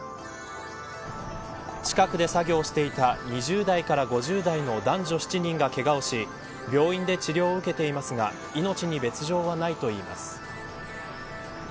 近くで作業していた２０代から５０代の男女７人がけがをし病院で治療を受けていますが命に別条はないといいます。